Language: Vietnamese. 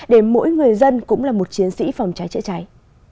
để mỗi người dân cũng là một chiến sĩ phòng cháy chữa cháy